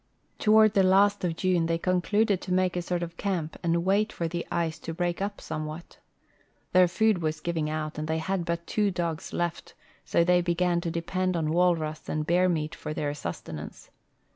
Toward the last of June they concluded to make a sort of camp and wait for the ice to break up somewhat. Their food was giving out and the}'' had but two dogs left, so they began to depend on walrus and hear meat for their sustenance.